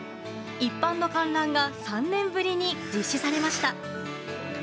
一般の観覧が３年ぶりに実施されました。